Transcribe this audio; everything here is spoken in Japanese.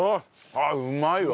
あっうまいわ。